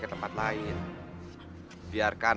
ke tempat lain